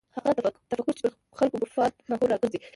هغه تفکر چې پر خلکو مفاد محور راګرځي.